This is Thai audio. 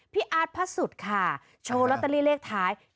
พี่อาร์ดพระสุดค่ะโชว์ลอตเตอรี่เลขท้าย๗๕